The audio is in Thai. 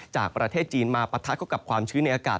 จากประเทศจีนมาปะทะเข้ากับความชื้นในอากาศ